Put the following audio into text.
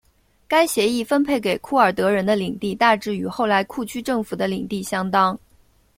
该协议分配给库尔德人的领地大致与后来库区政府的领地相当。